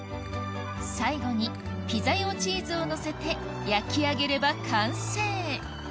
最後にピザ用チーズをのせて焼き上げれば完成